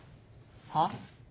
はっ？